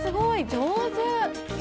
上手！